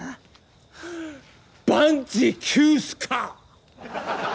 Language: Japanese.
万事休すか！